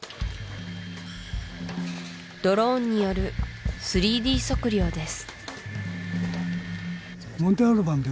ドローンによる３Ｄ測量です